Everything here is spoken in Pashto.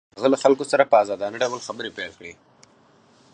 هغه له خلکو سره په ازادانه ډول خبرې پيل کړې.